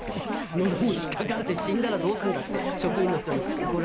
のどに引っかかって死んだらどうするんだって職員の人に怒られましたけど。